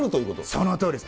そのとおりです。